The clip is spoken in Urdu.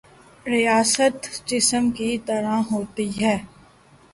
ریاست جسم کی طرح ہوتی ہے۔